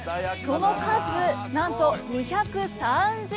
その数なんと２３０点。